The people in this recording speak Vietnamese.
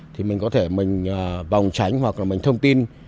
thì mình có thể mình bồng tránh hoặc là mình thông tin